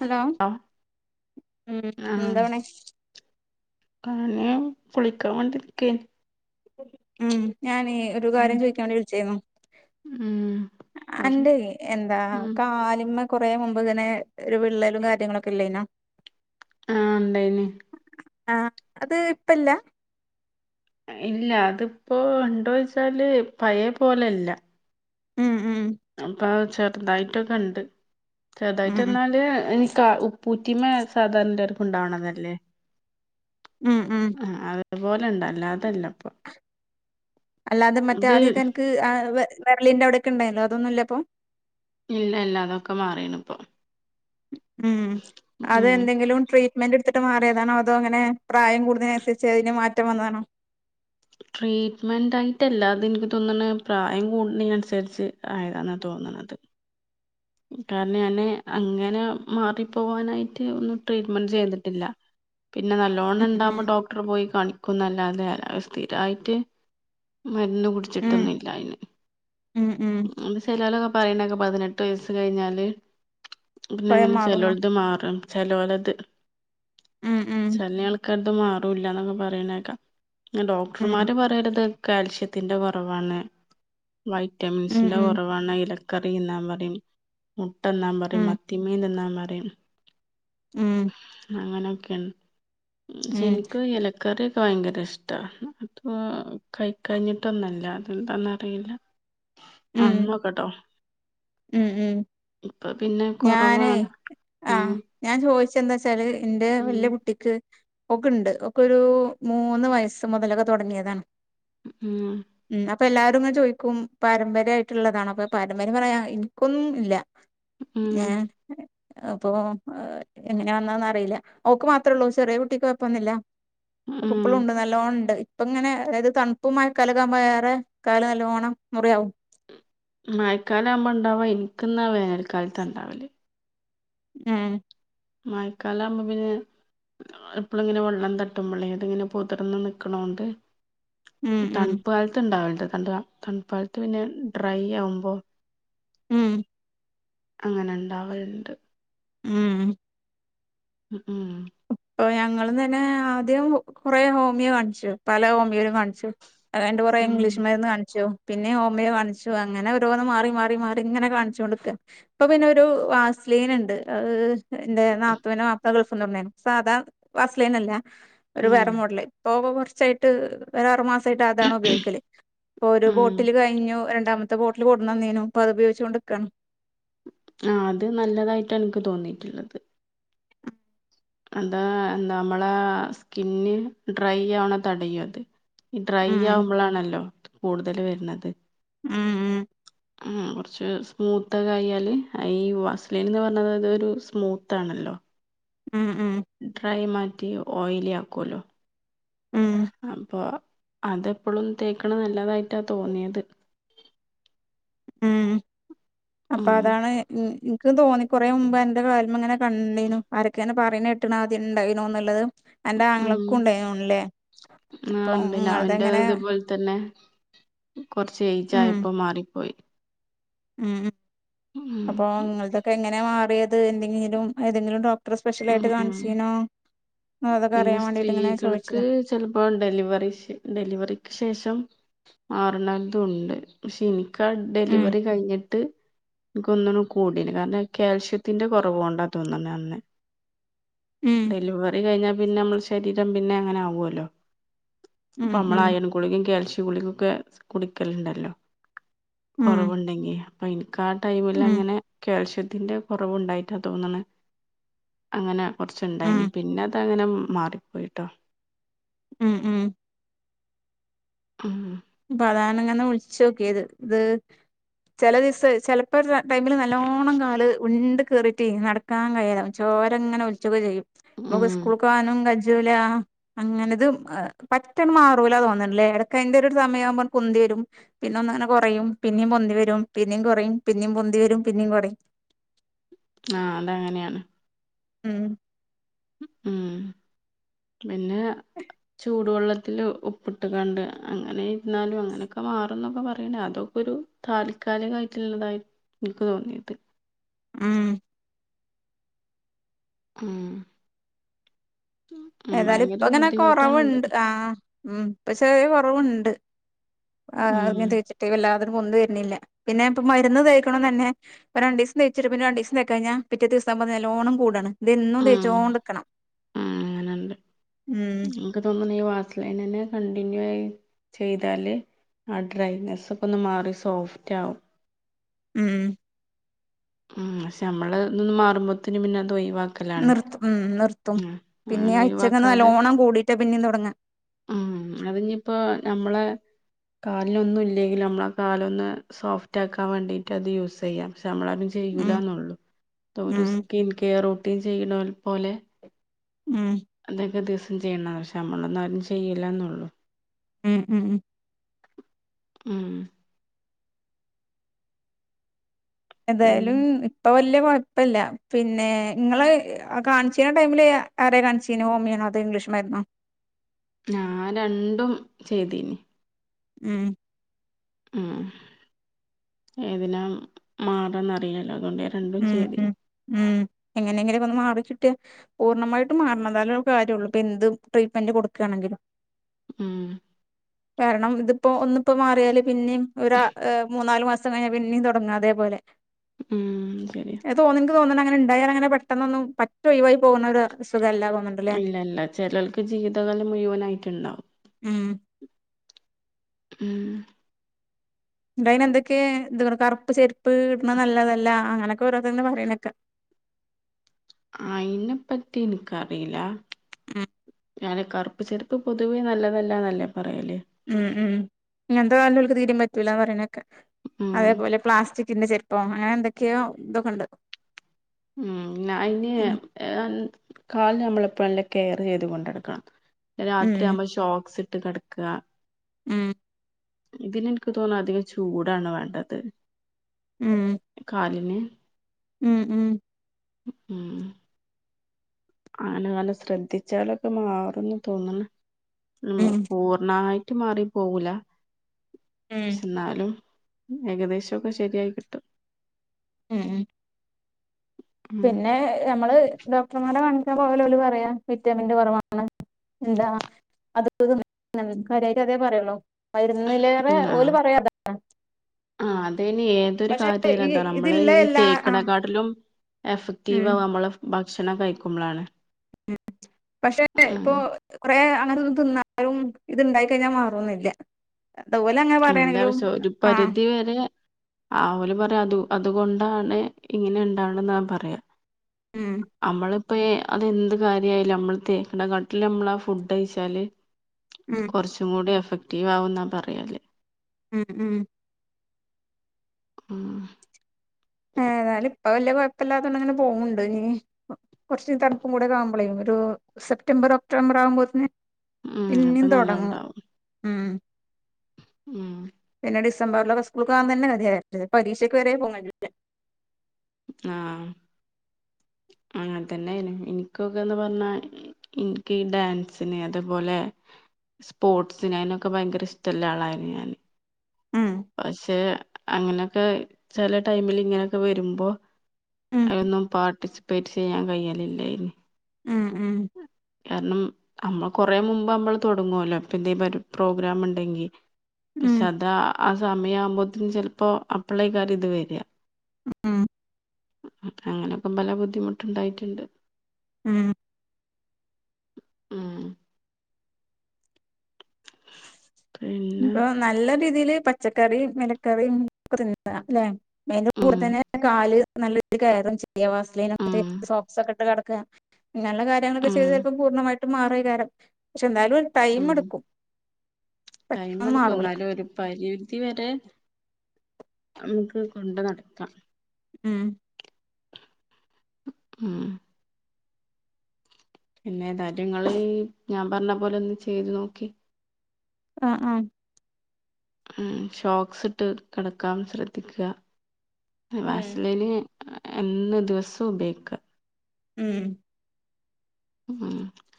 Hello ആഹ് ഉം എന്താ പണി പാണിയും കുളിക്കാൻ വേണ്ടിരിക്ക് ഉം ഞാനേ ഒരു കാര്യം ചോദിക്കാൻ വേണ്ടി വിളിച്ചായിരുന്നു ഉം പറയ് അന്റെ എന്താ ഉം കാലുമ്മേ കുറെ മുമ്പ് ഇങ്ങനെ ഒരു വിള്ളലും കാര്യങ്ങളുംക്കെ ഇല്ലായിനോ ആഹ് ഇണ്ടായീനെ ആഹ് അത് ഇപ്പല്ല ഇല്ല അതിപ്പോ ഉണ്ടോച്ചാല് പഴയ പോലല്ല ഉം ഉം അപ്പൊ ചെറുതായിട്ടൊക്കെ ഉണ്ട് ഉം ഉം ചെറുതായിട്ട്ന്നാല് എനി- ഉപ്പൂറ്റിമേ സാധാരണർക്കും ഉണ്ടാവണതല്ലേ ഉം ഉം ആഹ് അതുപോലെ ഉണ്ട അല്ലാതല്ല ഇപ്പൊ അല്ലാതെ മേറ്റെ ഇത് ആദ്യംക്കെ എനിക്ക് വെരലിന്റെ അവിടെക്കെ ഉണ്ടായല്ലോ അതൊന്നുമല്ല ഇപ്പൊ ഇല്ല ഇല്ല അതൊക്കെമാറിനി ഇപ്പൊ ഉം ഉം അതെന്തെങ്കിലും ട്രീറ്റ് മെന്റ് എടുത്തിട്ട് മാറിയതണോ അതോ അങ്ങനെ പ്രായം കൂടുതനുസച്ച്തിന് മാറ്റം വന്നതണോ ട്രീറ്റ്മെന്റ് ആയിട്ടല്ല അത് എനിക്ക് തോന്നണ പ്രായം കൂടുന്ന അനുസരിച്ച് ആയതന്ന തോന്നണത് കാരണം ഞാൻ അങ്ങനെ മാറിപ്പോവാനായിട്ട് ഒന്നും ട്രീറ്റ്മെന്റ് ചെയ്തിട്ടില്ല പിന്നെ നല്ലോണ്ണം ഉം ഉം ഉണ്ടാവുമ്പോ ഡോക്ടർ പോയി കാണിക്കും ല്ലാതെ അല്ല സ്ഥിരമായിട്ട് മരുന്ന് ഉം കുടിച്ചിട്ടൊന്നുംല്ല അയ്ൻ ഉം ഉം ആഹ് ചിലാലൊക്കെ പറയണൊക്കെ പതിനെട്ട് വയസ്സ് കഴിഞ്ഞാല് പിന്നെ സ്വയം അങ്ങനെ മാറുന്നോ ചിലോലത് മാറും ചലോലത് ഉം ഉം ചൾ- ചലത് മാറില്ലന്നൊക്കെ പറയുന്നേക്കാ ഉം ഡോക്ടർമാര് പറയന്നത് കാൽഷ്യത്തിന്റെ കുറവാണ് ഉം വൈറ്റമിൻസിന്റെ ഉം കുറവാണ് ഇല കറി തിന്നാൻ പറയും മുട്ട തിന്നാൻ പറയും ഉം മത്തിമീൻ തിന്നാൻ പറയും ഉം അങ്ങനെയൊക്കെയൻ ഉം ശനിക്കും ഇലക- കറിയൊക്കെ ഭയങ്കര ഇഷ്ടമാണ് അത് കൈ കഴിഞ്ഞിട്ടൊന്നല്ല അതെന്താണ് അറിയില്ല ഉം അന്ന്കേട്ടോ ഉം ഉം ഇപ്പ പിന്നെ ഞാനേ കൊറവാണ് ഉം ആഹ് ഞാൻ ചോദിച്ച എന്താ വച്ചാല് എന്റെ ഉം വല്യ കുട്ടിക്ക് ഒക്കെ ഉണ്ട് ഒക്കെ ഒരു മൂന്ന് വയസ്സ് മുതലൊക്കെ തുടങ്ങിയതാണ് ആഹ് ഉം അപ്പൊ എല്ലാരുംങ്ങ ചോയ്ക്കും പാരമ്പര്യമായിട്ടുള്ളതാണോ അപ്പൊ പാരമ്പര്യം പറയാ എനിക്കൊന്നും ഇല്ല ഉം ഞാൻ അപ്പൊ എങ്ങനെ വന്നാന്ന് അറിയില്ല ഓക്ക് മാത്രേള്ളൂ ചെറിയ കുട്ടിക്ക് കൊയപ്പൊന്നില്ല ഉം ഇപ്പലുണ്ട് നല്ലോണം ഉണ്ട് ഇപ്പ ഇങ്ങനെ അതായത് തണുപ്പും മഴക്കാലമാകുമ്പോ ഏറെ കാല് നല്ലോണം ച്ചൊറയാവും മായക്കാലാകുമ്പോ ഉണ്ടാവുക എനിക്കന്നാ വേനൽക്കാലത്ത ഉണ്ടാകുവാ ആഹ് മയക്കാലാകുമ്പോ പിന്നെ എപ്പോളുമിങ്ങനെ വെള്ളം തട്ടുമ്പളെ അത് ഇങ്ങനെ പൊതിർന്ന് നിക്കണോണ്ട് ഉം ഉം തണുപ്പ് കാലത്ത് ഉണ്ടാവല്ണ്ട് തണുപ്പ് കാലത്ത് പിന്നെ ഡ്രൈ ആവുമ്പോ ഉം അങ്ങനെയിണ്ടാവലുണ്ട് ഉം ഉം ഇപ്പൊ ഞങ്ങള് തന്നെ ആദ്യം കൊറ ഹോമിയോ കാണിച്ചു പല ഹോമിയേലും കാണിച്ചു അയിന്റെ ഉം പുറകെ ഉം ഇംഗ്ലീഷ്മരുന്ന് കാണിച്ചു പിന്നെ ഹോമിയോ കാണിച്ചു, അങ്ങനെ ഓരോന്ന് മാറി, മാറി, മാറി ഇങ്ങനെ കാണിചോണ്ടിക്കന്നേ. ഇപ്പോ പിന്നെ ഒരു വാസ്ലീനിണ്ട് അത്- എന്റെ നാത്തുനും ആപ്പ്ലേ, ഗൾഫിന്നു വന്നെയാണ് സാധാ- വാസ്ലിനല്ല ഒരു ഉം വേറെ മോഡല്- പോവ കുറച്ചായിട്ട് ഒരാറു- മാസമായിട്ട് അതാണ്- ഉപയോഗിക്കല് ഇപ്പോ ഒരു ഉം ബോട്ടില് കയി- കയിഞ്ഞു രണ്ടാമത്തെ ബോട്ടില്- കൊണ്ടുത്തന്നീനും ഇപ്പ- അത്പയോഗിച്ച കൊണ്ട്ക്കാണ്. ആഹാ അത് നല്ലതായിട്ട എനിക്ക്- തോന്നിട്ടുള്ളത്. എന്താ നമ്മളെ സ്കിന്ന് ഡ്രൈ- ആവണ തടയുമത്. ഈ ഡ്രൈ ഉം ആവുമ്പോളാണല്ലോ- കൂടുതല് വരുന്നത്. ആഹാ, ഉ കുറച്ച് സ്മൂത്തൊക്കെ- ആയാല് ഈ വാസ്ലീൻന്ന്- പറഞ്ഞത് അതൊരു സ്മൂത്താണല്ലോ. ഉം, ഉം, ഡ്രൈ മാറ്റി ഓയിലി ആക്കുവല്ലോ ഉം അപ്പോ - അതെപ്പോളും തേക്കണത്- നല്ലതായിട്ടാ തോന്നിയത്. ഉം അപ്പോ ഉം അതാണ്. എനിക്ക് തോന്നി കൊറേ മുമ്പ്- എന്റെ കാല്മ്മ അങ്ങനെ- കണ്ടീനു ആരൊക്കെങ്ങന- പറയെണകെട്ടീനു. ഇണ്ടായിനോന്നുള്ളത്. എന്റെ ഉം ആങ്ങളക്കും- ഉണ്ടായിനുതൊന്നണല്ലേ? ആ അപ്പോ ഉണ്ട് ഞാൻ എന്റെ നിങ്ങളതങ്ങനെ- ഇതുപോലെ തന്നെ, കൊറച്ച് ചേഞ്ച്‌- ഉം ആയപ്പോ തന്നെ മാറിപ്പോയി. ഉം, ഉം അപ്പോ നിങ്ങളതോക്കെ- എങ്ങനെയ മാറിയത്. എന്തെങ്കിലും, ഏതെങ്കിലും ഡോക്ട- ഇത്ര സ്പെഷ്യല ഉം ആയിട്ട്- ഉം കാണിച്ചിനോ അതൊക്കെ- അറിയാൻ വേണ്ടിയിട്ട് ഇങ്ങനെ ചോദിച്ചതാ. ചെലപ്പോ ഡെലിവറി, ഡെലിവറിക്ക് ശേഷം മാറുന്നു- തോന്നുന്നുണ്ട്. പക്ഷെ എനിക്കാ ഉം ഡെലിവറി കഴിഞ്ഞിട്ട്- എനിക്കൊന്നുന്നു കൂടിനു- കാരണം കാൽഷ്യത്തിന്റെ- കുറവ് കൊണ്ടാ തോന്നന്നു അത്. ഉം ഡെലിവറി കഴിഞ്ഞാ പിന്നെ, നമ്മൾ ശരീരം പിന്നെ അങ്ങനെ- ആവ്വ്ല്ലോ ഉം അപ്പോ ഉം നമ്മളായാലും, ഗുളികേം, കാൽഷ്യം ഗുളികേം, ഒക്കെ കുടിക്കലുണ്ടല്ലോ. ഉം കുറവുണ്ടെങ്കില് അപ്പോ, എനിക്ക് ആ ഉം ടൈമിലങ്ങനെ- കാൽഷ്യത്തിന്റെ- കുറവുണ്ടായിറ്റാ തോന്നുന്നത്. അങ്ങനെ ഉം കുറച്ച്ണ്ടായിന്, പിന്നെ അതങ്ങനെ മാറിപ്പോയിട്ടോ. ഉം, ഉം, ആഹ്, പ്പതാണങ്ങെനെ വിളിച്ചോക്കിയത്, ഇത്. ചില ദിവസ ചെലപ്പോ ടൈമില്- നല്ലോണം കാല് വീണ്ട് കിറിട്ട് നട- നിക്കാൻ കയ ചോരെങ്ങനെ- ഒളിച്ചൊക്കെ ഉം ചെയ്യുംക്ക്- സ്കൂൾക്കനും കജൂല. അങ്ങനത്പറ്റെന്ന് മാറൂല- തോന്നുന്നുണ്ടില്ലേ? എടക്ക അറ ഒരു, സമയമാവുമ്പോ കുന്തി വരും. പിന്നെ ഒന്ന അങ്ങനെ കുറയും പിന്നേും പൊന്തി വരും, പിന്നേും കുറയും, പിന്നും പൊന്തി വരും, പിന്നും കുറയും. [inaudible] ആഹാ അത അങ്ങനെയാണ്. ഉം... ഉം, പിന്നെ. ചൂടുവെള്ളത്തില്ൽ ഉപ്പിട്ട് കണ്ട് അങ്ങനെ ഇരുന്നാലും, അങ്ങനൊക്കെ മാറും എന്നൊക്കെ- പറയണ്ട അതൊക്കെ ഒരു- താൽക്കാലികയിട്ടുള്ളതായി- എനിക്ക് തോന്നിയത്. ഉം, ഉം, ഉം ഏതായാലും ഭയങ്കര ഇപ്പ ഇങ്ങനെ- ബുദ്ധിമുട്ടാണത് കുറവുണ്ട് ആഹാ ഉം, ഇപ്പോ ചെറിയ കുറവുണ്ട്. ഉം ആഹാ ഉം ഇറിങ്ങെ തേയ്ച്ചിട്ട്- വല്ലാതനും പൊന്ന വരുന്നില്ല പിന്നെ, ഇപ്പ മരുന്ന് തേയ്ക്കണം തന്നെ. ഇപ്പൊ രണ്ട് ദിവസം തേച്ചിട്ട് പിന്നെ രണ്ടു ദിവസം തേക്കാഴിഞ്ഞാ പിറ്റേ ദിവസം നല്ലോണം കൂടണ് ഇതെന്നും ഉം തേച്ചോണ്ടിക്കണം അങ്ങനെണ്ട് ഉം എനിക്ക് തോന്നുന്നു ഈ വാസലിൻ തന്നെ കണ്ടിന്യൂ ആയി ചെയ്താല് ആഹ് ഡ്രൈനെസ്സൊക്കെ ഒന്ന് മാറി സോഫ്റ്റ് ആകും ഉം ഉം പക്ഷെ നമ്മള് ഇതൊന്ന് മാറുമ്പോത്തേന് പിന്നെ അത് ഒഴിവാ നിർത്ത ഉം നിർത്തും പിന്നെ അങ്ങനെ ഉച്ചക്ക്ന്ന് ഒഴിവാക്കാതെ നല്ലോണം കൂടീട്ട് പിന്നീം തുടങ്ങാ ഉം അതിനീപ്പോ നമ്മളെ കാലിനൊന്നും ഇല്ലെങ്കിൽ നമ്മള് ആഹ് കാലൊന്ന് സോഫ്റ്റ് ആക്കാൻ വേണ്ടിയിട്ടത് യൂസ് ചെയ്യാം പക്ഷെ നമ്മള് ആരും ചെയ്യൂല ഉം എന്നുള്ളൂ ഒരു ഉം സ്കിൻ കെയർ റൊട്ടീൻ ചെയ്യുന്ന പോലെ ഉം അതൊക്കെ ദിവസം ചെയ്യണം പക്ഷെ നമ്മളൊന്നും ആരും ചെയ്യില്ലാന്നേയുള്ളൂ ഉം ഉം ഉം ഉം ഏതായാലും പിന്ന ഇപ്പൊ വലിയ കൊയപ്പില്ല പിന്നെ നിങ്ങള് കാണിച്ചീന്ന ടൈമില് ആരെയാ കാണിച്ചീനു ഹോമിയാണോ അതോ ഇംഗ്ലീഷ് മരുന്നോ ഞാൻ രണ്ടും ചെയ്തീന് ഉം ഉം ഏതിനാ മാറേന്നറിയാൻ ഉം ഉം ഉം എങ്ങനെയെങ്കിലും ഒന്ന് മാറിക്കിട്ടിയാ പൂർണമായിട്ടും മാറണതാല കാര്യം ഉള്ളൂ ഇപ്പൊ എന്ത് ട്രീറ്റ്മെന്റ് കൊടുക്കയാണെങ്കിലും ഉം കാരണം ഇതിപ്പോ ഒന്നിപ്പോ മാറിയാല് പിന്നെയും ഒര് മൂന്നാല് മാസം കഴിഞ്ഞാൽ പിന്നേും തുടങ്ങും അതേപോലെ ഉം ശരി തോന്നു നിങ്ങക്ക് തോന്നുന്നുണ്ട് അങ്ങനെ ഉണ്ടായാ അങ്ങനെ പെട്ടെന്നൊന്നും പറ്റേ ഒഴിവായി പോകുന്ന ഒരു അസുഖല്ല തോന്നുന്നുണ്ട് ഇല്ല ഇല്ല ചിലർക്ക് ജീവിതകാലം മുഴുവനായിട്ടുണ്ടാവും ഉം ഉം ഇതയിന് എന്തൊക്കെയേ എന്ത കറുപ്പ് ചെരുപ്പ് ഇടണ നല്ലതല്ല അങ്ങനൊക്കെ ഓരോരുത്തര് പറയുന്നേക്കാം അയിനെപ്പറ്റി എനിക്കറിയില്ല ഉം അങ്ങനെ കറുപ്പ് ചെരുപ്പ് പൊതുവേ നല്ലതല്ലാന്നല്ലേ പറയല് ഉം ഉം ഇങ്ങനത്തെ കാലുകൾക്ക് തീരേം പറ്റൂലാന്ന് പറയണകേക്കാം ഉം അതേപോലെ പ്ലാസ്റ്റിക്കിന്റെ ചെരുപ്പ് അപ്പൊ അങ്ങനെ എന്തൊക്കെയോ ഇതൊക്കെ ഉണ്ട് ഉം അയിന് ഉം കാല് നമ്മളപ്പോ എല്ലാം കെയർ ചെയ്ത് കൊണ്ടടുക്കണം ഉം രാത്രിയാവുമ്പോ ഷോക്സ് ഇട്ട് കിടക്കുക ഉം ഇതിന് എനിക്ക് തോന്നുന്നു അധികം ചൂടാണ് വേണ്ടത് ഉംഹ്‌ കാലിന് ഉം ഉം ഉംഹ്‌ അങ്ങനെ കാല് ശ്രദ്ധിച്ചാലൊക്കെ മാറുംന്ന് തോന്നണ് ഉം പൂർണ്ണമായി റ്റ് മാറിപോവൂല ഉം ഇഷെ എന്നാലും ഏകദേശൊക്കെ ശെരിയായി കിട്ടും ഉം ഉം ഉം പിന്നെ ഞമ്മള് ഡോക്ടർമാരെ കാൺച്ചാ പോവാലോല് പറയാ വിറ്റാമിൻന്റെ കൊറവാണ്. എന്താ അത് [unintelligible] കാര്യായിട്ടതേ പറയൊള്ളൂ മരുന്നിലേറെ ഉം ഓല് ആഹ് പറയ അതാണ് ആഹ് അതയ്ന് ഏതൊരു കാര്യായാലും ഈ അതാണ് നമ്മളെ ഇതില്ല ഈ എല്ലാ തേക്ക്ണേ ആഹ് ക്കാട്ടിലും ഉം എഫ്ക്റ്റീവാവ നമ്മളെ ഭക്ഷണം കഴിക്കുമ്പളാണ്. ഉം പഷെ ഉം ഇപ്പോ കൊറെ അങ്ങൻതൊന്നും തിന്നാലും ഇത്ണ്ടായി കഴിഞ്ഞാ മാറൊന്നില്ല. അതോലങ്ങനെ പറയാണെങ്കിലും ആഹ്‌ ഇവരെ ആഹ് ഓല് പറയ അതു അതുകൊണ്ടാണ് ഇങ്ങനെ ഇണ്ടാവ്ണെന്നാ പറയാ ഉം അമ്മള് ഇപ്പെ അതെന്ത് കാര്യയാലും അമ്മള് തേക്ക്‌ണകാട്ടിലും നമ്മളാ ഫുഡഴിച്ചാല് ഉം കൊറച്ചുംകൂടി എഫക്റ്റീവാവുംന്നാ പറയല്. ഉം ഉം ഉം ഏതായാലും ഇപ്പ വെല്യ കൊഴപ്പല്ലാത്തൊണ്ട് അങ്ങനെ പോവ്ണ്ട് ഇഞ്ഞി കൊർച്ച് തണുപ്പും കൂടെക്കെ ആവുമ്പളേയ് ഒരു സെപ്റ്റംബർ, ഒക്ടോബർ ആവുമ്പോത്ത്ന് ഉം പിന്നിം അപ്പൊ തൊടങ്ങും നല്ലോണ്ടാവും ഉം ഉം പിന്നെ ഡിസംബർലൊക്കെ സ്കൂൾക്ക് പോവാൻ തെന്നെ കെത്യെട്ട് പരീക്ഷക്ക് വരെ പോകാൻ കജ്ജുലാ. ആഹ്‌ അങ്ങൻതന്നെയ്ന്. ഇൻക്കൊക്കെന്ന് പറ്ഞ്ഞാ ഇൻക് ഈ ഡാൻസിന് അതേപോലെ സ്പോർട്സ്ന് അയിനൊക്കെ ഭയങ്കര ഇഷ്ട്ടള്ള ആളായിരുന്ന് ഞാന് ഉം പക്ഷെ അങ്ങനൊക്കയ് ചെല ടൈമില് ഇങ്ങനൊക്കെ വരുമ്പോ ഉം അയിലൊന്നും പാർട്ടിസിപ്പേറ്റ് ചെയ്യാൻ കയ്യെലില്ലേയ്നി. ഉം ഉം കാരണം അമ്മ കൊറെ മുമ്പ് മ്മള് തൊടങ്ങോല്ലോ ഇപ്പെന്തേം പരു പ്രോഗ്രാം ഉണ്ടെങ്കി ഉം പക്ഷെ അതാ ആ സമയാവുമ്പോത്തിന് ചെൽപ്പോ അപ്പ്ളേക്കാരം ഇത് വെരാ. ഉം അങ്ങനൊക്കം പല ബുദ്ധിമുട്ട്ണ്ടായിട്ട്ണ്ട് ഉം ഉം പിന്നെ അപ്പൊ നല്ല രീതീല് പച്ചക്കറിം മെലെക്കറിം തിന്നാ ല്ലേ. അയ്ന്റെ കൂടെ ഉം തന്നെ കാല് നല്ലൊരു കെയറും ചെയ്യ വാസ്‌ലിൻ ഒക്കെ ഉം തേച്ച് സോക്സ് ഒക്കെ ഇട്ട് കടക്കാ. ഇങ്ങനെള്ള കാര്യങ്ങളൊക്കെ ഉം ചെയ്ത ചെൽപ്പം പൂർണ്ണമായിട്ടും മാറേയ്കാരം പക്ഷേ എന്തായാലും ഒരു ടൈമ് എട്ക്കും. ടൈംഇട്ക്കും എന്നാലൊരു പരി ധി വരെ നമുക്ക് കൊണ്ട്നടക്കാ. ഉം ഉം പിന്നെ ഏതായാലു ഇങ്ങള് ഞാൻ പർഞ്ഞ പോലെ ഒന്ന് ചെയ്തു നോക്കി. ആഹ് ആഹ് ഉം ഷോക്സ് ഇട്ട് കെടക്കാൻ ശ്രദ്ധിക്കുക ഉം വാസ്ലേന് എന്ന് ദിവസോം ഉപയ്ക്ക് ഉം ഉം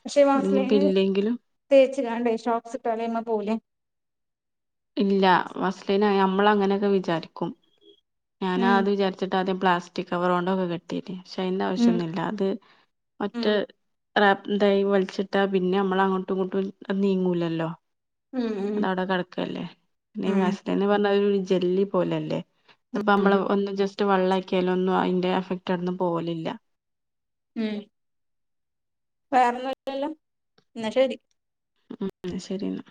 പക്ഷേ ഇനിയിപ്പ വാസ്ലൈന് ഇല്ലെങ്കിലും തേച്ചകാണ്ടേ ഷോക്സ്ട്ടാലെമ്മ പോവൂലെ ഇല്ല വസ്ലന് അമ്മളങ്ങനക്കെ വിചാരിക്കും ഉം ഞാനാത് വിചാരിച്ചിട്ട് ആദ്യം പ്ലാസ്റ്റിക് കവറോണ്ടൊക്കെ കെട്ടിട്ട പക്ഷെ ഉം അയ്ന്റാവശ്യൊന്നുല്ല അത് മറ്റേ ഉം [unintelligible] വലിച്ചിട്ടാ പിന്നമ്മളങ്ങോട്ടുങ്ങോട്ടും നീങ്ങൂലല്ലോ ഉം ഉം അതവിടെ കെടക്കല്ലേ പിന്നെ ഉം വാസ്ലന്ന് പറഞ്ഞ ഒര് ജെല്ലി പോലല്ലേ ത്പ്പ ഉം അമ്മള് ഒന്ന് ജസ്റ്റ് വെള്ളാക്കിയാലും ഒന്നും അയ്ന്റെ എഫക്ട് ആടന്നും പോവലില്ല ഉം വേറെന്നുല്ലല്ലൊ ന്നാ ശേരി ഉം ശരിന്നാ